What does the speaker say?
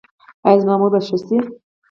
ایا زما مور به ښه شي؟